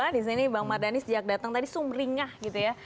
disini bang mardhani sejak datang tadi sumringah gitu ya